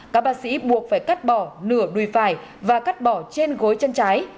các bác sĩ buộc phải cắt bỏ nửa đùi phải và cắt bỏ trên gối chân trái